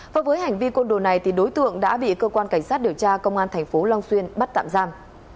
và với hành vi côn đồ này đối tượng đã bị cơ quan cảnh sát điều tra công an tp long xuyên bắt tạm giam